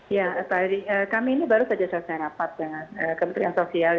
ya tadi kami ini baru saja selesai rapat dengan kementerian sosial